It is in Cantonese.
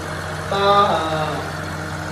媽呀